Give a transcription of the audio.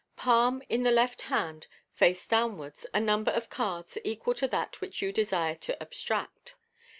Palm in the left hand, face downwards, a num. ber of cards equal to that which you desire to abstract.